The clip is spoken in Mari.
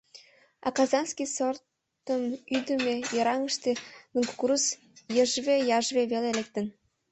А «Казанский» сортым ӱдымӧ йыраҥыште гын кукуруз йыжве-яжве веле лектын.